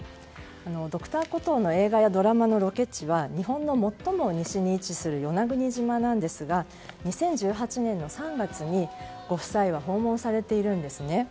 「Ｄｒ．コトー診療所」の映画やドラマのロケ地は日本の最も西に位置する与那国島なんですが２０１８年３月にご夫妻は訪問されているんですね。